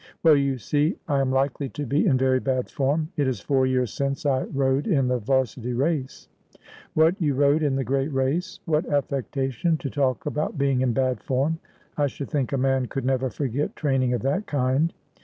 ' Well, you see I am likely to be in very bad form. It is four years since I rowed in the 'Varsity race.' ' What, you rowed in the great race ? What affectation to talk about being in bad form. I should think a man could never forget training of that kind.'